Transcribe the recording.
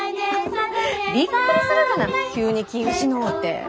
びっくりするがな急に気ぃ失うて。